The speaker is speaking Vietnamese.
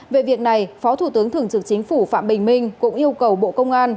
về việc này phó thủ tướng thường trực chính phủ phạm bình minh cũng yêu cầu bộ công an